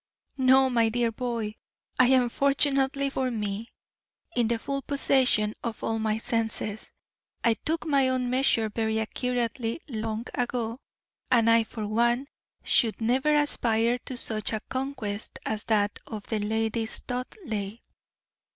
"No, my dear boy; I am, fortunately for me, in the full possession of all my senses. I took my own measure very accurately long ago, and I, for one, should never aspire to such a conquest as that of the Lady Studleigh."